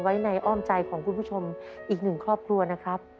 ไว้ในอ้อมใจของคุณผู้ชมอีกหนึ่งครอบครัวนะครับ